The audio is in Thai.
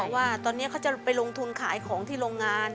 ว่าตอนนี้เขาจะไปลงทุนขายของที่โรงงาน